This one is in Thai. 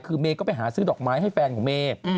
คือเมย์ก็ไปหาซื้อดอกไม้ให้แฟนของเมย์